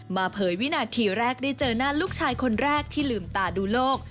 เผยวินาทีแรกได้เจอหน้าลูกชายคนแรกที่ลืมตาดูโลก